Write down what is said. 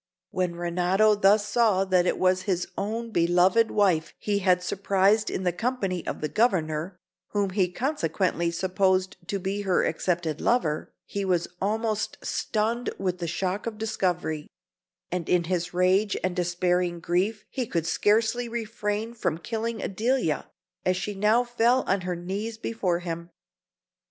When Renato thus saw that it was his own beloved wife he had surprised in the company of the Governor, whom he consequently supposed to be her accepted lover, he was almost stunned with the shock of the discovery; and in his rage and despairing grief, he could scarcely refrain from killing Adelia, as she now fell on her knees before him.